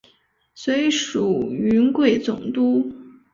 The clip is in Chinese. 随署云贵总督。